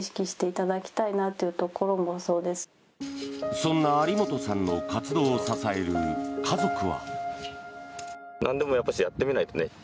そんな有本さんの活動を支える家族は。